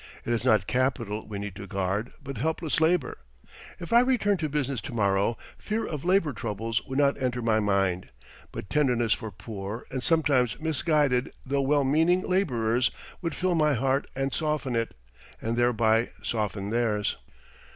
It is not capital we need to guard, but helpless labor. If I returned to business to morrow, fear of labor troubles would not enter my mind, but tenderness for poor and sometimes misguided though well meaning laborers would fill my heart and soften it; and thereby soften theirs.